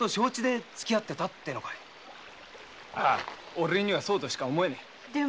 オレにはそうとしか思えねえ。